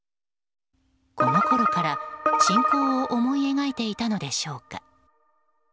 このころから侵攻を思い描いていたのでしょうか。